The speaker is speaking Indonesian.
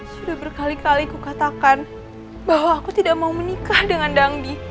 sudah berkali kali kukatakan bahwa aku tidak mau menikah dengan dangdi